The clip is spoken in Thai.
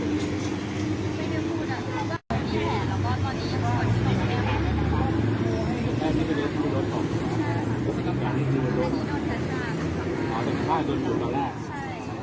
ตอนนี้กำหนังไปคุยของผู้สาวว่ามีคนละตบ